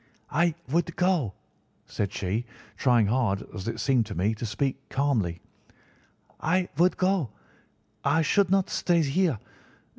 "'I would go,' said she, trying hard, as it seemed to me, to speak calmly; 'I would go. I should not stay here.